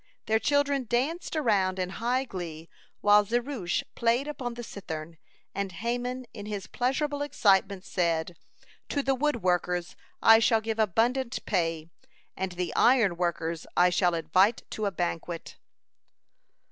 Their children danced around in high glee while Zeresh played upon the cithern, and Haman in his pleasurable excitement said: "To the wood workers I shall give abundant pay, and the iron workers I shall invite to a banquet."